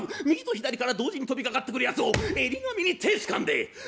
右と左から同時に飛びかかってくるやつを襟髪に手ぇつかんで。